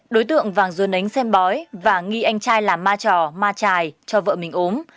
đối tượng vàng dồn nấnh xem bói và nghi anh trai làm ma trò ma trài cho vợ mình ốm